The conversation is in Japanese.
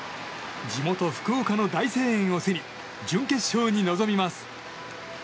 地元・福岡の大声援を背に準決勝に臨みます。